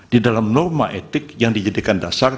di dalam norma etik yang dijadikan dasar